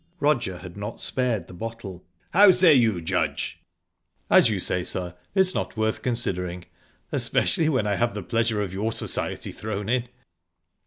Roger had not spared the bottle. "How say you, Judge?" "As you say, sir, it's not worth considering especially when I have the pleasure of your society thrown in."